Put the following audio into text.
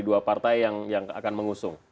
dua partai yang akan mengusung